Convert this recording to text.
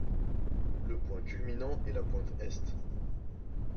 Le point culminant est la pointe Est.